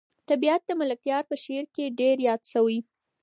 طبیعت د ملکیار په شعر کې ډېر یاد شوی.